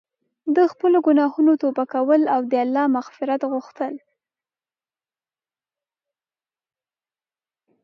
د خپلو ګناهونو توبه کول او د الله مغفرت غوښتل.